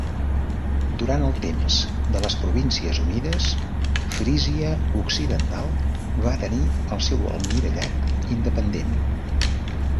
Durant el temps de les Províncies Unides, Frísia Occidental va tenir el seu Almirallat independent.